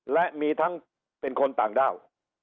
และมีทั้งเป็นคนต่างด้าว